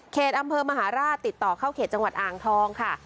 อำเภอมหาราชติดต่อเข้าเขตจังหวัดอ่างทองค่ะ